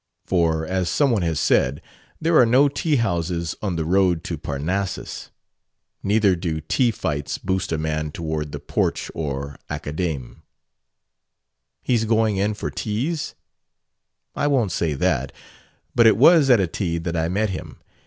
For, as some one has said, 'There are no tea houses on the road to Parnassus.' Neither do tea fights boost a man toward the Porch or Academe." "He's going in for teas?" "I won't say that. But it was at a tea that I met him.